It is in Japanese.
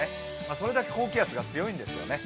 それだけ高気圧が強いんですよね。